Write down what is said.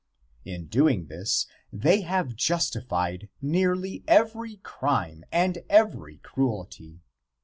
In doing this they have justified nearly every crime and every cruelty.